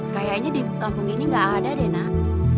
kayaknya di kampung ini gak ada deh nak